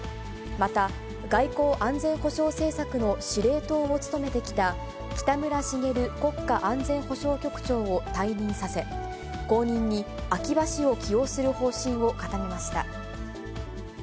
また、外交・安全保障政策の司令塔を務めてきた、北村滋国家安全保障局長を退任させ、後任に秋葉氏を起用する方針を固めました。